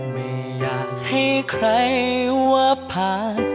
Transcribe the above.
ไม่อยากให้ใครว่าผ่าน